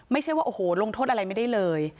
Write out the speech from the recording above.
ไม่ใช่ว่าโอ้โหลงโทษอะไรไม่ได้เลย